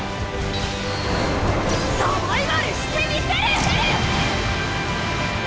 サバイバルしてみせる！